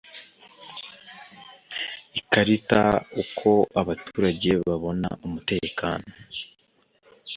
Ikarita Uko abaturage babona umutekano